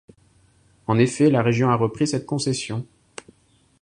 En effet, la région a repris cette concession.